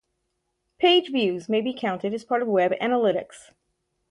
Page views may be counted as part of web analytics.